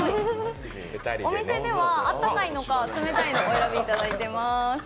お店ではあったかいのか冷たいのを選んでいただいています。